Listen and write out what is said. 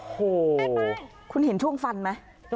โอ้โหคุณเห็นช่วงฟันไหม